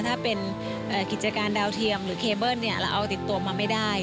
ถ้าเป็นกิจการดาวเทียมหรือเคเบิ้ลเราเอาติดตัวมาไม่ได้